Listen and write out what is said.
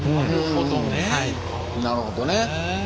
なるほどねへえ。